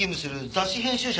雑誌編集者？